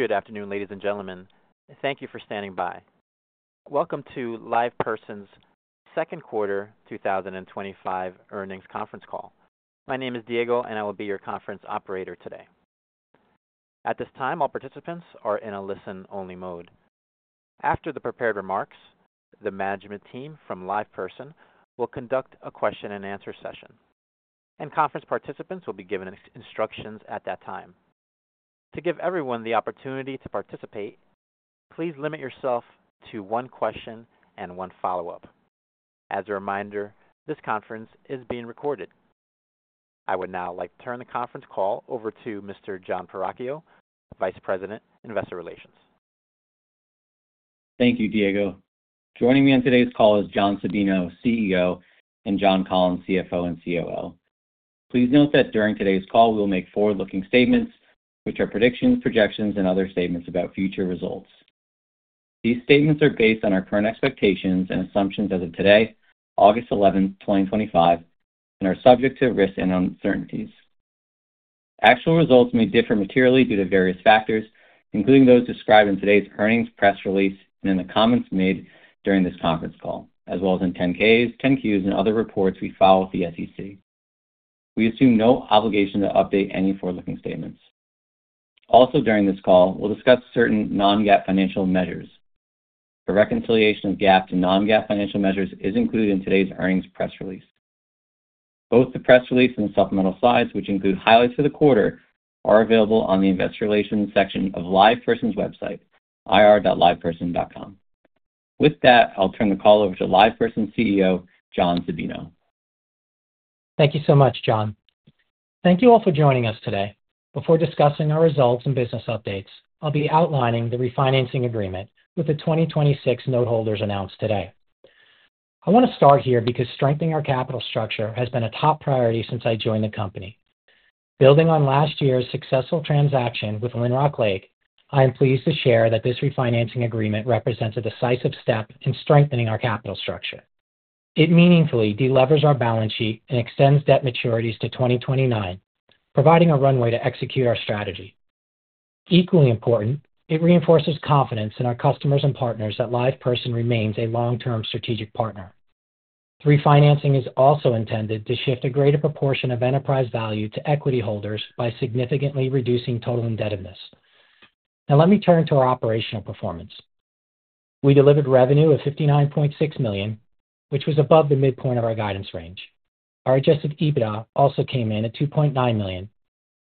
Good afternoon, ladies and gentlemen. Thank you for standing by. Welcome to LivePerson's Second Quarter 2025 Earnings Conference Call. My name is Diego, and I will be your conference operator today. At this time, all participants are in a listen-only mode. After the prepared remarks, the management team from LivePerson will conduct a question and answer session, and conference participants will be given instructions at that time. To give everyone the opportunity to participate, please limit yourself to one question and one follow-up. As a reminder, this conference is being recorded. I would now like to turn the conference call over to Mr. Jon Perachio, Vice President, Investor Relations. Thank you, Diego. Joining me on today's call is John Sabino, CEO, and John Collins, CFO and COO. Please note that during today's call, we will make forward-looking statements, which are predictions, projections, and other statements about future results. These statements are based on our current expectations and assumptions as of today, August 11, 2025, and are subject to risk and uncertainties. Actual results may differ materially due to various factors, including those described in today's earnings press release and in the comments made during this conference call, as well as in 10-Ks, 10-Qs, and other reports we file with the SEC. We assume no obligation to update any forward-looking statements. Also, during this call, we'll discuss certain non-GAAP financial measures. A reconciliation of GAAP to non-GAAP financial measures is included in today's earnings press release. Both the press release and supplemental slides, which include highlights for the quarter, are available on the Investor Relations section of LivePerson's website, ir.liveperson.com. With that, I'll turn the call over to LivePerson's CEO, John Sabino. Thank you so much, Jon. Thank you all for joining us today. Before discussing our results and business updates, I'll be outlining the refinancing agreement with the 2026 noteholders announced today. I want to start here because strengthening our capital structure has been a top priority since I joined the company. Building on last year's successful transaction with Lynrock Lake, I am pleased to share that this refinancing agreement represents a decisive step in strengthening our capital structure. It meaningfully delevers our balance sheet and extends debt maturities to 2029, providing a runway to execute our strategy. Equally important, it reinforces confidence in our customers and partners that LivePerson remains a long-term strategic partner. The refinancing is also intended to shift a greater proportion of enterprise value to equity holders by significantly reducing total indebtedness. Now, let me turn to our operational performance. We delivered revenue of $59.6 million, which was above the midpoint of our guidance range. Our adjusted EBITDA also came in at $2.9 million,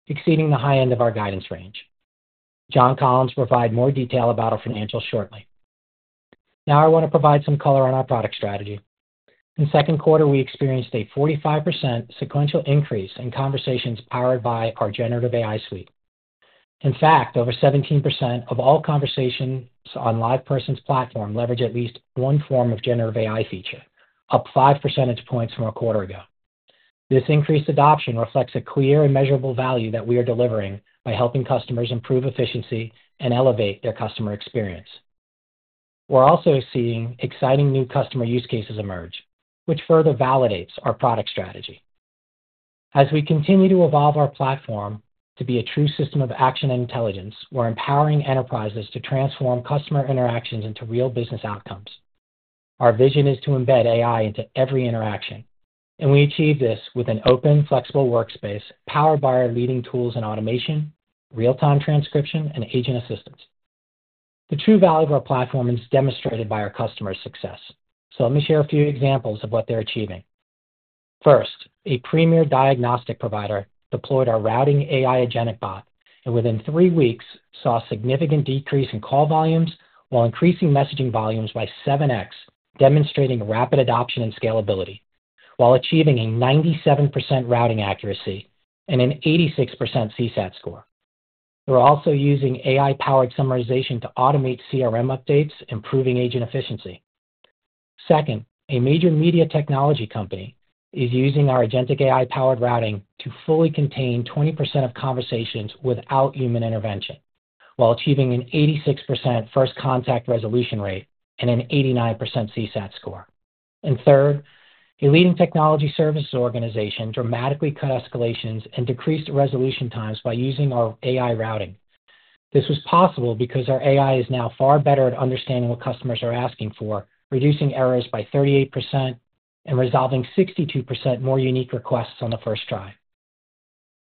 exceeding the high end of our guidance range. John Collins will provide more detail about our financials shortly. Now, I want to provide some color on our product strategy. In the second quarter, we experienced a 45% sequential increase in conversations powered by our Generative AI suite. In fact, over 17% of all conversations on LivePerson's platform leverage at least one form of Generative AI feature, up 5 percentage points from a quarter ago. This increased adoption reflects a clear and measurable value that we are delivering by helping customers improve efficiency and elevate their customer experience. We're also seeing exciting new customer use cases emerge, which further validates our product strategy. As we continue to evolve our platform to be a true system of action and intelligence, we're empowering enterprises to transform customer interactions into real business outcomes. Our vision is to embed AI into every interaction, and we achieve this with an open, flexible workspace powered by our leading tools in automation, real-time transcription, and agent assist tools. The true value of our platform is demonstrated by our customers' success. Let me share a few examples of what they're achieving. First, a premier diagnostic provider deployed our routing AI agentic bot, and within three weeks saw a significant decrease in call volumes while increasing messaging volumes by 7x, demonstrating rapid adoption and scalability, while achieving a 97% routing accuracy and an 86% CSAT score. We're also using AI-powered summarization to automate CRM updates, improving agent efficiency. Second, a major media technology company is using our agentic AI-powered routing to fully contain 20% of conversations without human intervention, while achieving an 86% first contact resolution rate and an 89% CSAT score. Third, a leading technology service organization dramatically cut escalations and decreased resolution times by using our AI routing. This was possible because our AI is now far better at understanding what customers are asking for, reducing errors by 38%, and resolving 62% more unique requests on the first try.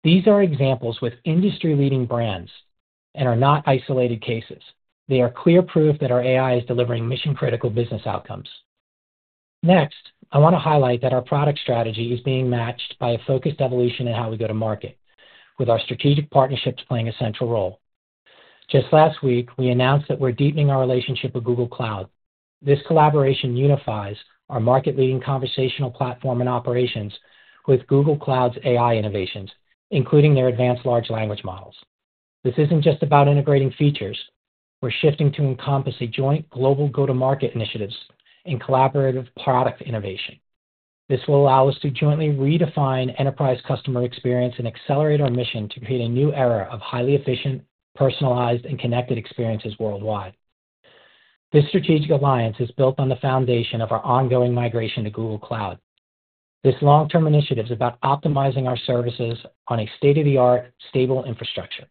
These are examples with industry-leading brands and are not isolated cases. They are clear proof that our AI is delivering mission-critical business outcomes. Next, I want to highlight that our product strategy is being matched by a focused evolution in how we go to market, with our strategic partnerships playing a central role. Just last week, we announced that we're deepening our relationship with Google Cloud. This collaboration unifies our market-leading conversational platform and operations with Google Cloud's AI innovations, including their advanced large language models. This isn't just about integrating features. We're shifting to encompass a joint global go-to-market initiative and collaborative product innovation. This will allow us to jointly redefine enterprise customer experience and accelerate our mission to create a new era of highly efficient, personalized, and connected experiences worldwide. This strategic alliance is built on the foundation of our ongoing migration to Google Cloud. This long-term initiative is about optimizing our services on a state-of-the-art stable infrastructure.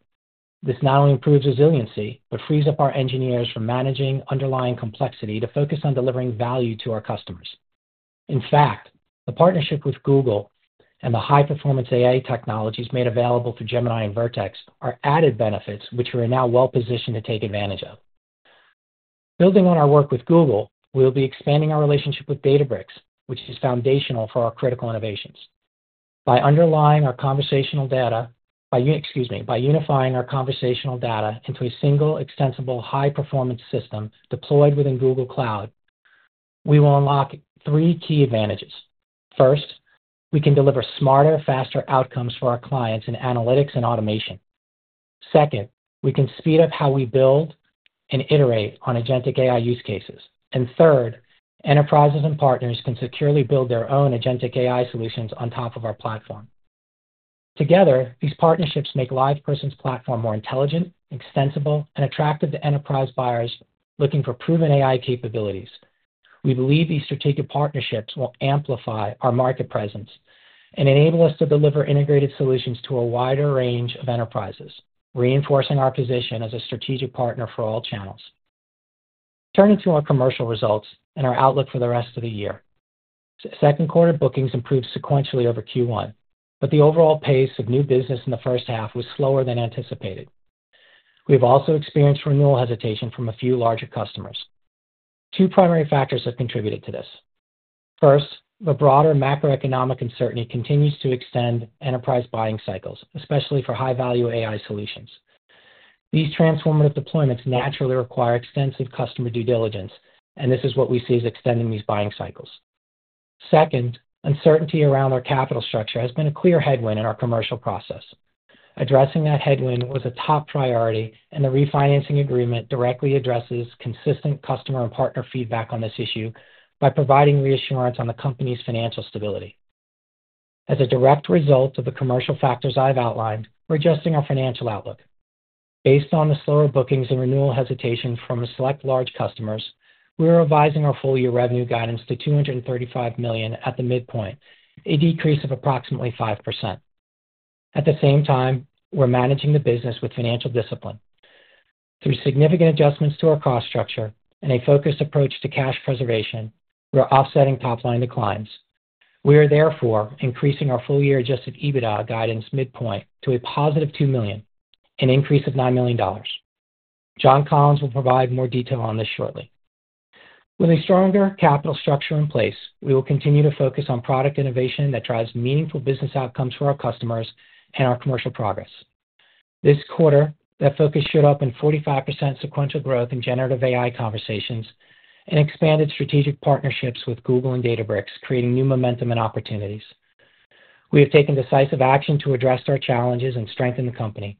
This not only improves resiliency, but frees up our engineers from managing underlying complexity to focus on delivering value to our customers. In fact, the partnership with Google and the high-performance AI technologies made available to Gemini and Vertex are added benefits which we are now well positioned to take advantage of. Building on our work with Google, we'll be expanding our relationship with Databricks, which is foundational for our critical innovations. By unifying our conversational data into a single, extensible, high-performance system deployed within Google Cloud, we will unlock three key advantages. First, we can deliver smarter, faster outcomes for our clients in analytics and automation. Second, we can speed up how we build and iterate on agentic AI use cases. Third, enterprises and partners can securely build their own agentic AI solutions on top of our platform. Together, these partnerships make LivePerson's platform more intelligent, extensible, and attractive to enterprise buyers looking for proven AI capabilities. We believe these strategic partnerships will amplify our market presence and enable us to deliver integrated solutions to a wider range of enterprises, reinforcing our position as a strategic partner for all channels. Turning to our commercial results and our outlook for the rest of the year, second quarter bookings improved sequentially over Q1, but the overall pace of new business in the first half was slower than anticipated. We've also experienced renewal hesitation from a few larger customers. Two primary factors have contributed to this. First, the broader macroeconomic uncertainty continues to extend enterprise buying cycles, especially for high-value AI solutions. These transformative deployments naturally require extensive customer due diligence, and this is what we see as extending these buying cycles. Second, uncertainty around our capital structure has been a clear headwind in our commercial process. Addressing that headwind was a top priority, and the refinancing agreement directly addresses consistent customer and partner feedback on this issue by providing reassurance on the company's financial stability. As a direct result of the commercial factors I've outlined, we're adjusting our financial outlook. Based on the slower bookings and renewal hesitation from select large customers, we're revising our full-year revenue guidance to $235 million at the midpoint, a decrease of approximately 5%. At the same time, we're managing the business with financial discipline. Through significant adjustments to our cost structure and a focused approach to cash preservation, we're offsetting top-line declines. We are therefore increasing our full-year adjusted EBITDA guidance midpoint to a +$2 million, an increase of $9 million. John Collins will provide more detail on this shortly. With a stronger capital structure in place, we will continue to focus on product innovation that drives meaningful business outcomes for our customers and our commercial progress. This quarter, that focus showed up in 45% sequential growth in generative AI conversations and expanded strategic partnerships with Google Cloud and Databricks, creating new momentum and opportunities. We have taken decisive action to address our challenges and strengthen the company.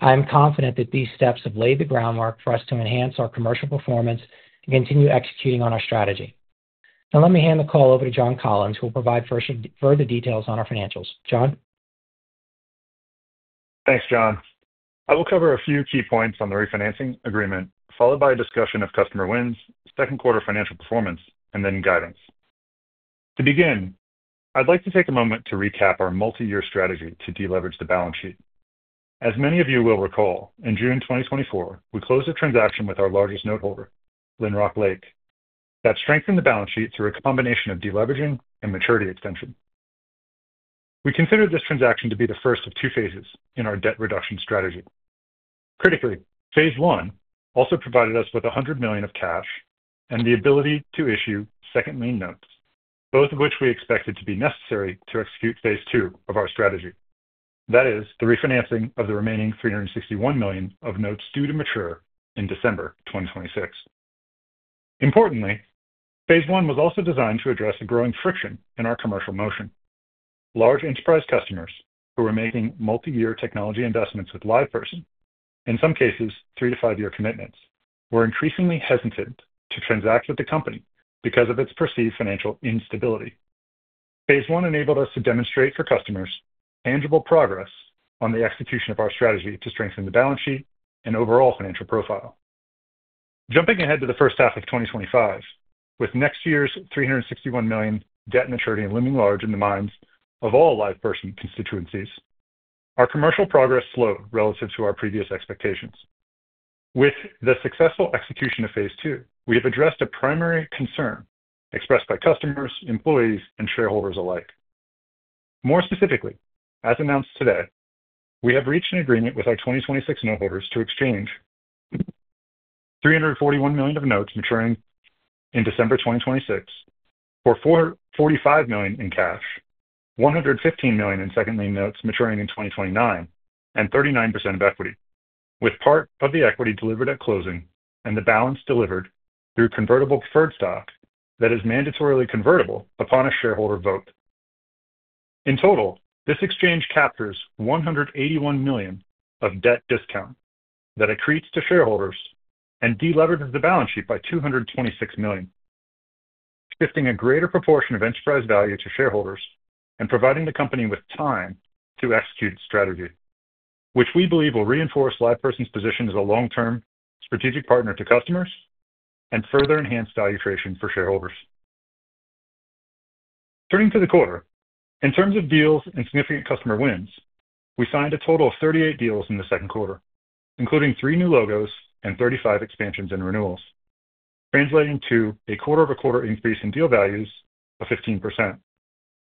I am confident that these steps have laid the groundwork for us to enhance our commercial performance and continue executing on our strategy. Now, let me hand the call over to John Collins, who will provide further details on our financials. John? Thanks, John. I will cover a few key points on the refinancing agreement, followed by a discussion of customer wins, second quarter financial performance, and then guidance. To begin, I'd like to take a moment to recap our multi-year strategy to deleverage the balance sheet. As many of you will recall, in June 2024, we closed a transaction with our largest noteholder, Lynrock Lake, that strengthened the balance sheet through a combination of deleveraging and maturity extension. We considered this transaction to be the first of two phases in our debt reduction strategy. Critically, phase I also provided us with $100 million of cash and the ability to issue second lien notes, both of which we expected to be necessary to execute phase II of our strategy, that is, the refinancing of the remaining $361 million of notes due to mature in December 2026. Importantly, phase I was also designed to address a growing friction in our commercial motion. Large enterprise customers who were making multi-year technology investments with LivePerson, in some cases three to five-year commitments, were increasingly hesitant to transact with the company because of its perceived financial instability. Phase I enabled us to demonstrate for customers tangible progress on the execution of our strategy to strengthen the balance sheet and overall financial profile. Jumping ahead to the first half of 2025, with next year's $361 million debt maturity looming large in the minds of all LivePerson constituencies, our commercial progress slowed relative to our previous expectations. With the successful execution of phase II, we have addressed a primary concern expressed by customers, employees, and shareholders alike. More specifically, as announced today, we have reached an agreement with our 2026 noteholders to exchange $341 million of notes maturing in December 2026 for $45 million in cash, $115 million in second lien notes maturing in 2029, and 39% of equity, with part of the equity delivered at closing and the balance delivered through convertible preferred stock that is mandatorily convertible upon a shareholder vote. In total, this exchange captures $181 million of debt discount that accretes to shareholders and deleverages the balance sheet by $226 million, shifting a greater proportion of enterprise value to shareholders and providing the company with time to execute its strategy, which we believe will reinforce LivePerson's position as a long-term strategic partner to customers and further enhance valuation for shareholders. Turning to the quarter, in terms of deals and significant customer wins, we signed a total of 38 deals in the second quarter, including three new logos and 35 expansions and renewals, translating to a quarter-over-quarter increase in deal values of 15%,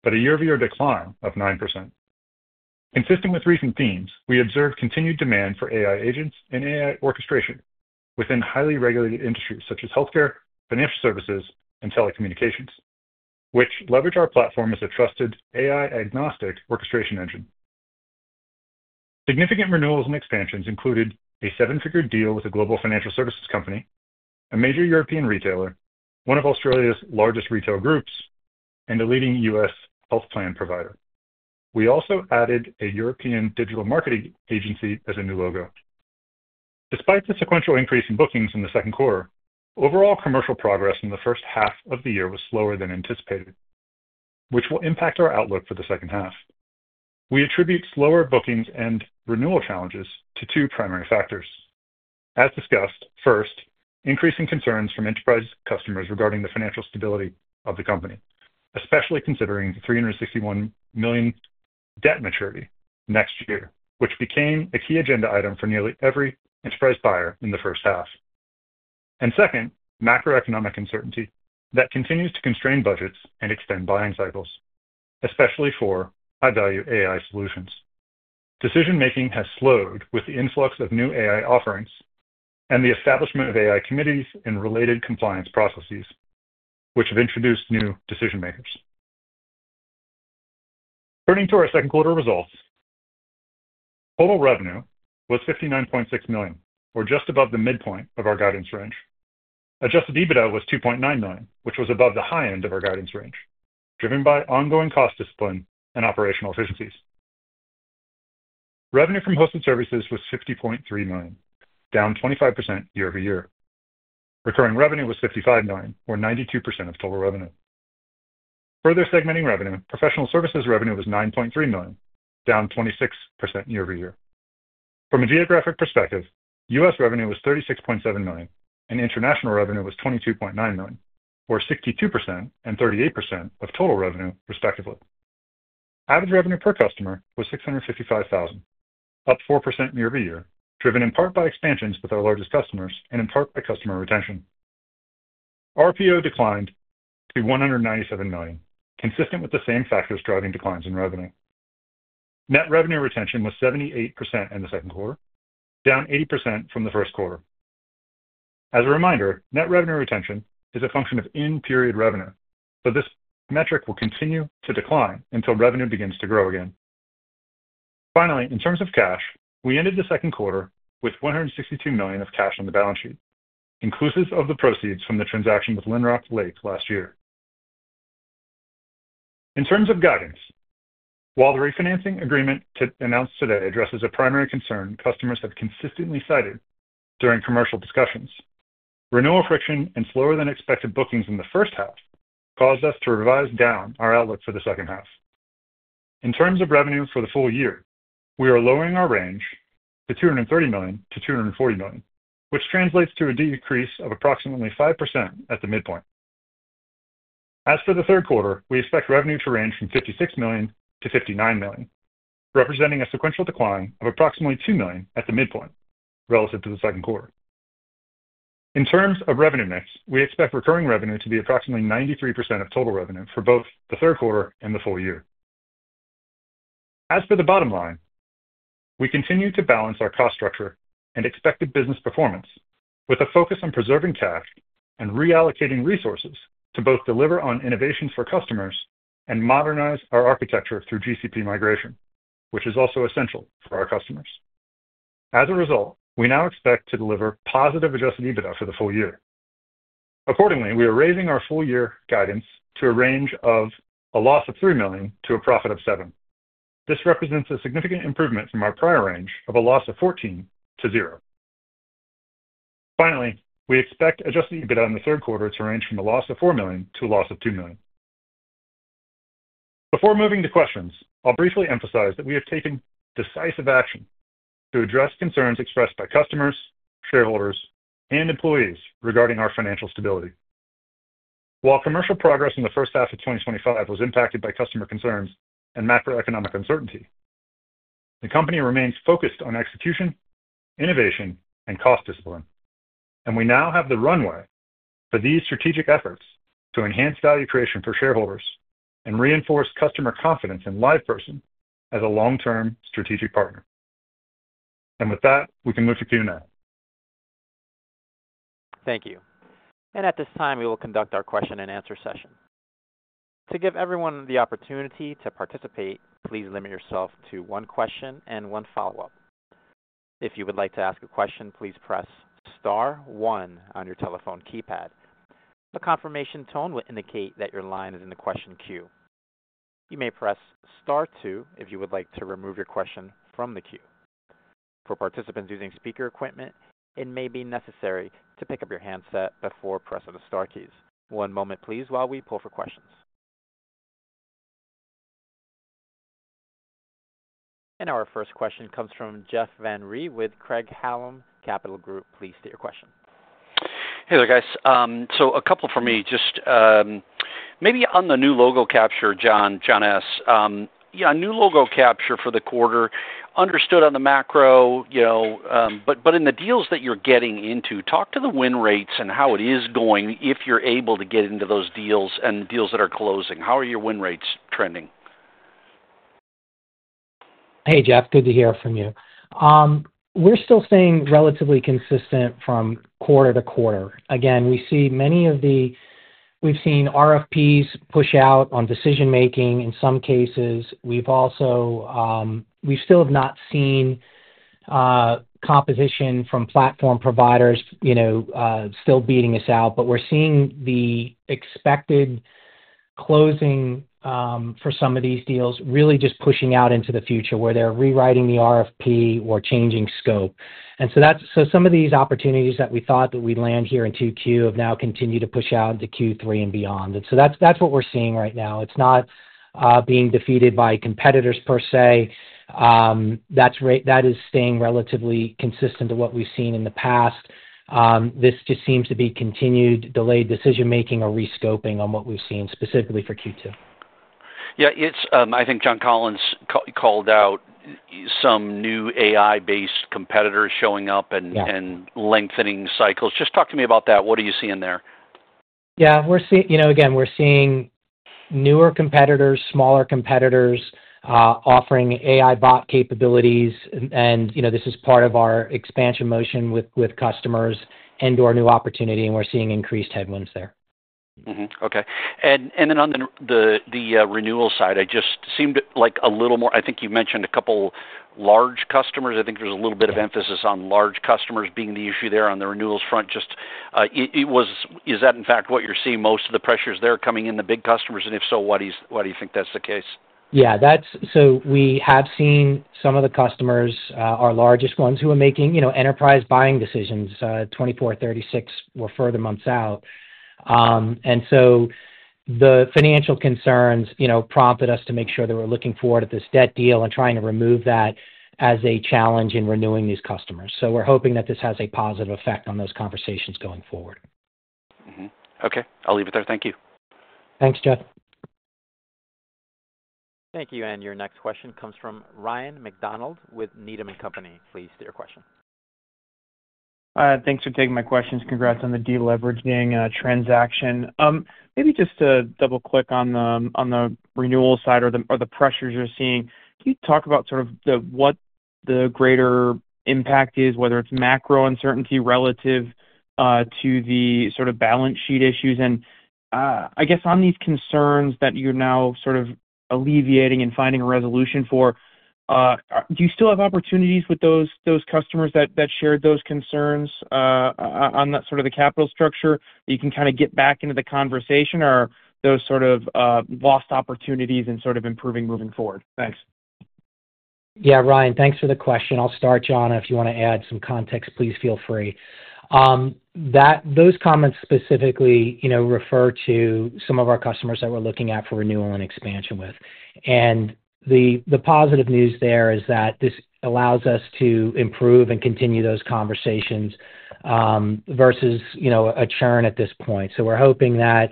but a year-over-year decline of 9%. Consistent with recent themes, we observed continued demand for AI agents and AI orchestration within highly regulated industries such as healthcare, financial services, and telecommunications, which leverage our platform as a trusted AI-agnostic orchestration engine. Significant renewals and expansions included a seven-figure deal with a global financial services company, a major European retailer, one of Australia's largest retail groups, and a leading U.S. health plan provider. We also added a European digital marketing agency as a new logo. Despite the sequential increase in bookings in the second quarter, overall commercial progress in the first half of the year was slower than anticipated, which will impact our outlook for the second half. We attribute slower bookings and renewal challenges to two primary factors. As discussed, first, increasing concerns from enterprise customers regarding the financial stability of the company, especially considering the $361 million debt maturity next year, which became a key agenda item for nearly every enterprise buyer in the first half. Second, macroeconomic uncertainty that continues to constrain budgets and extend buying cycles, especially for high-value AI solutions. Decision-making has slowed with the influx of new AI offerings and the establishment of AI committees and related compliance processes, which have introduced new decision-makers. Turning to our second quarter results, total revenue was $59.6 million, or just above the midpoint of our guidance range. Adjusted EBITDA was $2.9 million, which was above the high end of our guidance range, driven by ongoing cost discipline and operational efficiencies. Revenue from hosted services was $50.3 million, down 25% year-over-year. Recurring revenue was $55 million, or 92% of total revenue. Further segmenting revenue, professional services revenue was $9.3 million, down 26% year-over-year. From a geographic perspective, U.S. revenue was $36.7 million, and international revenue was $22.9 million, or 62% and 38% of total revenue, respectively. Average revenue per customer was $655,000, up 4% year-over-year, driven in part by expansions with our largest customers and in part by customer retention. RPO declined to $197 million, consistent with the same factors driving declines in revenue. Net revenue retention was 78% in the second quarter, down from 80% in the first quarter. As a reminder, net revenue retention is a function of in-period revenue, but this metric will continue to decline until revenue begins to grow again. Finally, in terms of cash, we ended the second quarter with $162 million of cash on the balance sheet, inclusive of the proceeds from the transaction with Lynrock Lake last year. In terms of guidance, while the refinancing agreement announced today addresses a primary concern customers have consistently cited during commercial discussions, renewal friction and slower than expected bookings in the first half caused us to revise down our outlook for the second half. In terms of revenue for the full year, we are lowering our range to $230 million to $240 million, which translates to a decrease of approximately 5% at the midpoint. As for the third quarter, we expect revenue to range from $56 million-$59 million, representing a sequential decline of approximately $2 million at the midpoint relative to the second quarter. In terms of revenue mix, we expect recurring revenue to be approximately 93% of total revenue for both the third quarter and the full year. As for the bottom line, we continue to balance our cost structure and expected business performance with a focus on preserving cash and reallocating resources to both deliver on innovations for customers and modernize our architecture through GCP migration, which is also essential for our customers. As a result, we now expect to deliver positive adjusted EBITDA for the full year. Accordingly, we are raising our full-year guidance to a range of a loss of $3 million to a profit of $7 million. This represents a significant improvement from our prior range of a loss of $14 million to $0. Finally, we expect adjusted EBITDA in the third quarter to range from a loss of $4 million to a loss of $2 million. Before moving to questions, I'll briefly emphasize that we have taken decisive action to address concerns expressed by customers, shareholders, and employees regarding our financial stability. While commercial progress in the first half of 2025 was impacted by customer concerns and macroeconomic uncertainty, the company remains focused on execution, innovation, and cost discipline. We now have the runway for these strategic efforts to enhance value creation for shareholders and reinforce customer confidence in LivePerson as a long-term strategic partner. With that, we can move to Q&A. Thank you. At this time, we will conduct our question-and-answer session. To give everyone the opportunity to participate, please limit yourself to one question and one follow-up. If you would like to ask a question, please press star one on your telephone keypad. A confirmation tone will indicate that your line is in the question queue. You may press star two if you would like to remove your question from the queue. For participants using speaker equipment, it may be necessary to pick up your handset before pressing the star keys. One moment, please, while we pull for questions. Our first question comes from Jeff Van Rhee with Craig-Hallum Capital Group. Please state your question. Hey there, guys. A couple for me, just maybe on the new logo capture, Jon, Jon S. A new logo capture for the quarter, understood on the macro, but in the deals that you're getting into, talk to the win rates and how it is going if you're able to get into those deals and deals that are closing. How are your win rates trending? Hey, Jeff. Good to hear from you. We're still staying relatively consistent from quarter to quarter. We see many of the, we've seen RFPs push out on decision-making. In some cases, we still have not seen competition from platform providers, you know, still beating us out. We're seeing the expected closing for some of these deals really just pushing out into the future where they're rewriting the RFP or changing scope. Some of these opportunities that we thought that we'd land here in Q2 have now continued to push out into Q3 and beyond. That's what we're seeing right now. It's not being defeated by competitors per se. That is staying relatively consistent to what we've seen in the past. This just seems to be continued delayed decision-making or rescoping on what we've seen specifically for Q2. Yeah, I think John Collins called out some new AI-based competitors showing up and lengthening cycles. Just talk to me about that. What are you seeing there? We're seeing newer competitors, smaller competitors offering AI bot capabilities. This is part of our expansion motion with customers and/or new opportunity, and we're seeing increased headwinds there. Okay. On the renewal side, it seemed like a little more, I think you mentioned a couple large customers. I think there's a little bit of emphasis on large customers being the issue there on the renewals front. Is that in fact what you're seeing? Most of the pressures there coming in the big customers? If so, why do you think that's the case? Yeah, we have seen some of the customers, our largest ones, who are making enterprise buying decisions 24, 36, or further months out. The financial concerns prompted us to make sure that we're looking forward at this debt deal and trying to remove that as a challenge in renewing these customers. We're hoping that this has a positive effect on those conversations going forward. Okay, I'll leave it there. Thank you. Thanks, Jeff. Thank you. Your next question comes from Ryan MacDonald with Needham & Company. Please state your question. Thanks for taking my questions. Congrats on the deleveraging transaction. Maybe just to double-click on the renewal side or the pressures you're seeing, can you talk about what the greater impact is, whether it's macro uncertainty relative to the balance sheet issues? On these concerns that you're now alleviating and finding a resolution for, do you still have opportunities with those customers that shared those concerns on the capital structure that you can get back into the conversation? Are those lost opportunities and improving moving forward? Thanks. Yeah, Ryan, thanks for the question. I'll start, John. If you want to add some context, please feel free. Those comments specifically refer to some of our customers that we're looking at for renewal and expansion with. The positive news there is that this allows us to improve and continue those conversations versus a churn at this point. We're hoping that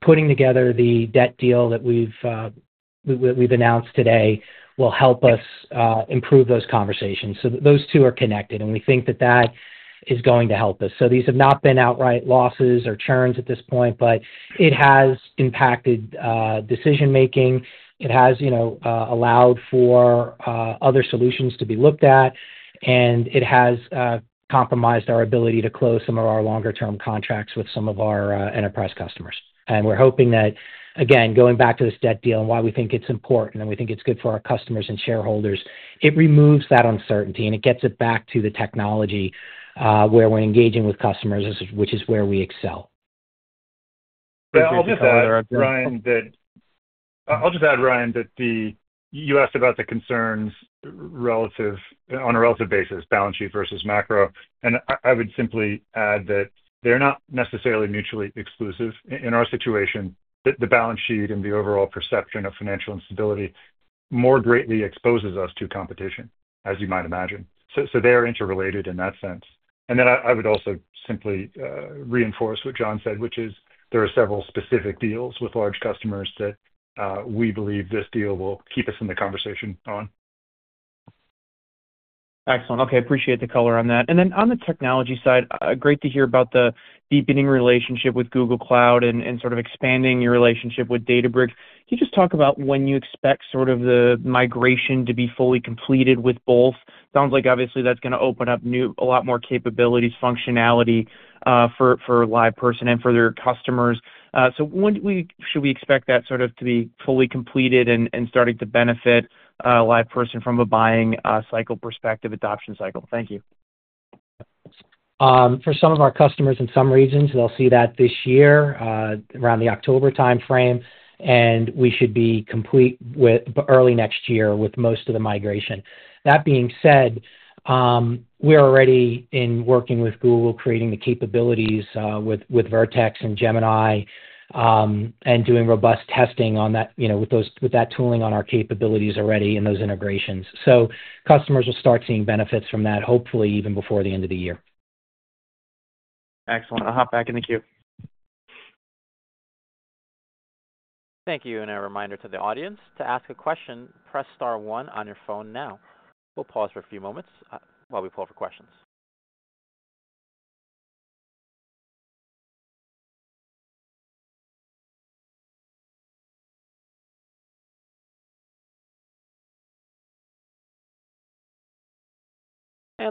putting together the debt deal that we've announced today will help us improve those conversations. Those two are connected, and we think that is going to help us. These have not been outright losses or churns at this point, but it has impacted decision-making. It has allowed for other solutions to be looked at, and it has compromised our ability to close some of our longer-term contracts with some of our enterprise customers. We're hoping that, again, going back to this debt deal and why we think it's important and we think it's good for our customers and shareholders, it removes that uncertainty and it gets it back to the technology where we're engaging with customers, which is where we excel. I'll just add, Ryan, that you asked about the concerns relative on a relative basis, balance sheet versus macro. I would simply add that they're not necessarily mutually exclusive. In our situation, the balance sheet and the overall perception of financial instability more greatly exposes us to competition, as you might imagine. They are interrelated in that sense. I would also simply reinforce what John said, which is there are several specific deals with large customers that we believe this deal will keep us in the conversation on. Excellent. Okay, I appreciate the color on that. On the technology side, great to hear about the deepening relationship with Google Cloud and expanding your relationship with Databricks. Can you just talk about when you expect the migration to be fully completed with both? It sounds like obviously that's going to open up new, a lot more capabilities and functionality for LivePerson and for their customers. When should we expect that to be fully completed and starting to benefit LivePerson from a buying cycle perspective, adoption cycle? Thank you. For some of our customers in some regions, they'll see that this year, around the October timeframe, and we should be complete with early next year with most of the migration. That being said, we're already working with Google, creating the capabilities with Vertex and Gemini, and doing robust testing on that, with that tooling on our capabilities already in those integrations. Customers will start seeing benefits from that, hopefully even before the end of the year. Excellent. I'll hop back in the queue. Thank you. A reminder to the audience to ask a question, press star one on your phone now. We'll pause for a few moments while we pull up our questions.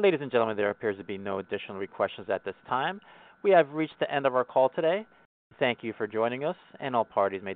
Ladies and gentlemen, there appears to be no additional requests at this time. We have reached the end of our call today. Thank you for joining us, and all parties may.